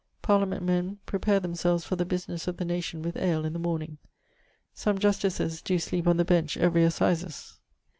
Parliament men prepare themselves for the businesse of the nation with ale in the morning. Some justices doe sleepe on the bench every assizes.